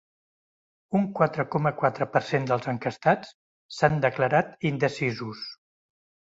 Un quatre coma quatre per cent dels enquestats s’han declarat indecisos.